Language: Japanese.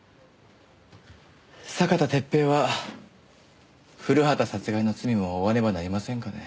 酒田鉄平は古畑殺害の罪も負わねばなりませんかね？